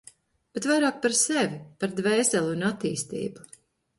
Bet vairāk par sevi, par dvēseli un attīstību.